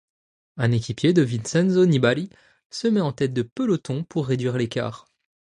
Un équipier de Vincenzo Nibali se met en tête de peloton pour réduire l'écart.